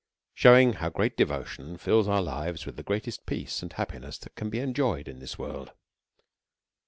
Shewing how great Devotion fills our Lives with the greatest Peace and Happiness that can be enjoyed in this World.